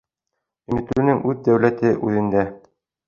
Өмөтлөнөң үҙ дәүләте үҙендә.